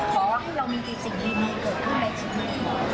ของเรามีกี่สิ่งที่มีเกิดขึ้นในชีวิต